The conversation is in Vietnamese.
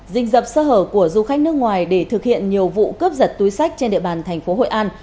dình dập sơ hở của du khách nước ngoài để thực hiện nhiều vụ cướp giật túi sách trên địa bàn thành phố hội an